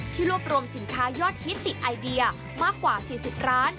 รวบรวมสินค้ายอดฮิตติดไอเดียมากกว่า๔๐ร้าน